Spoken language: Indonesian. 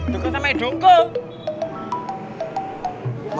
duga sama iduko